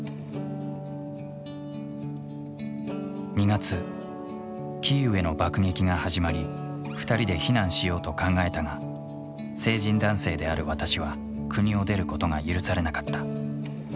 ２月キーウへの爆撃が始まり２人で避難しようと考えたが成人男性である私は国を出ることが許されなかった。